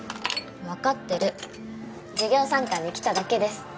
わかってる授業参観に来ただけです。